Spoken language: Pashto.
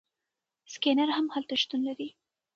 سکینر هم هلته شتون لري.